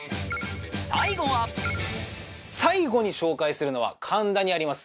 最後は最後に紹介するのは神田にあります。